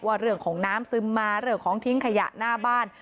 ว่าเรื่องของน้ำซึมมาเรื่องของทิ้งขยะหน้าบ้าน